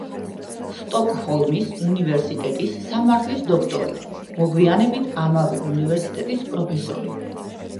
სტოკჰოლმის უნივერსიტეტის სამართლის დოქტორი, მოგვიანებით, ამავე უნივერსიტეტის პროფესორი.